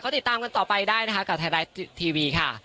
ติดตามกันต่อไปได้นะคะกับไทยรัฐทีวีค่ะ